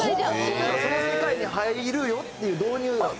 その世界に入るよっていう導入だった？